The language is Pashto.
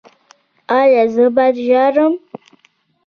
ایا زه باید ژاړم؟